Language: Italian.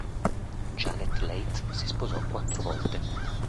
Janet Leigh si sposò quattro volte.